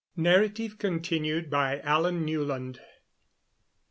_(Narrative continued by Alan Newland.)